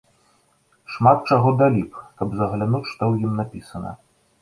Шмат чаго далі б, каб заглянуць, што ў ім напісана.